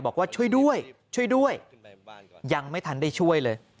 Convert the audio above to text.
บอกว่าช่วยด้วยช่วยด้วยยังไม่ทันได้ช่วยเลย